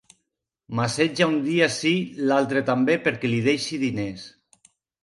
M'assetja un dia sí l'altre també perquè li deixi diners.